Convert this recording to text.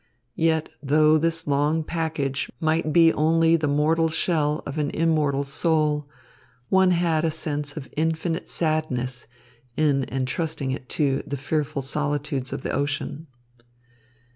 Yet, though this long package might be only the mortal shell of an immortal soul, one had a sense of infinite sadness in entrusting it to the fearful solitudes of the ocean.